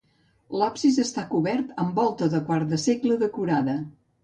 L'absis està cobert amb volta de quart de cercle decorada.